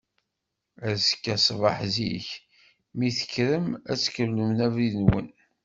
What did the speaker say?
Azekka ṣṣbeḥ zik, mi d-tekkrem ad tkemmlem abrid-nwen.